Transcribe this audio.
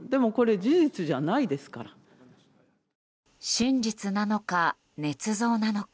真実なのか、ねつ造なのか。